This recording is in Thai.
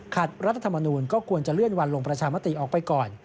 ขัดรัฐมนตรีก็ควรจะเลื่อนวันลงประชามาตรีออกไปก่อน